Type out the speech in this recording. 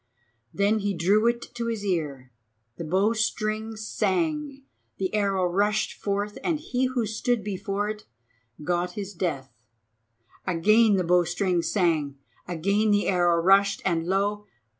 Then he drew it to his ear. The bow string sang, the arrow rushed forth, and he who stood before it got his death. Again the bow string sang, again the arrow rushed, and lo!